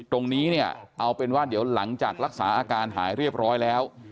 ตรงนี้เนี่ยเอาเป็นว่าเดี๋ยวหลังจากรักษาอาการหายเรียบร้อยแล้ว